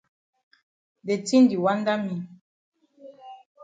De tin di wanda me.